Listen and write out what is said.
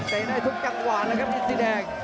ใกล้ได้ทุกจังหวานแล้วครับอินทรีย์แดง